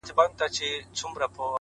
کور مي ورانېدی ورته کتله مي ـ